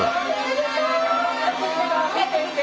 見て見て。